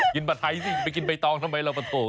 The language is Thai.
ผัดไทยสิไปกินใบตองทำไมเรามาโถ